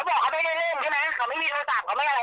พี่ฟังนะว่าผมอ่ะกลับมาสูบยาเนี่ย